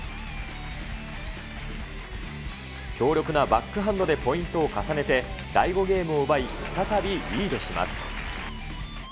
強力なバックハンドでポイントを重ねて第５ゲームを奪い、再びリードします。